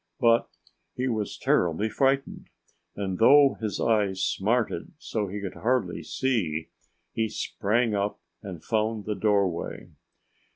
But he was terribly frightened. And though his eyes smarted so he could hardly see, he sprang up and found the doorway.